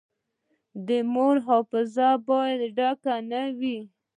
د موبایل حافظه باید ډکه نه وي.